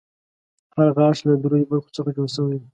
هر غاښ له دریو برخو څخه جوړ شوی دی.